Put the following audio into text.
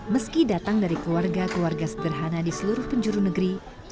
meski datang dari keluarga keluarga sederhana di seluruh penjuru negeri